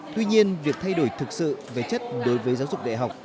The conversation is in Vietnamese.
tuy nhiên việc thay đổi thực sự về chất đối với giáo dục đại học